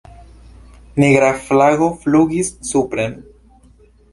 Nigra flago flugis supren.